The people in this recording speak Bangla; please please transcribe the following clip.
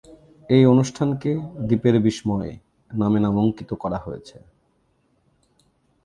এ অনুষ্ঠানকে "দ্বীপের বিস্ময়" নামে নামাঙ্কিত করা হয়েছে।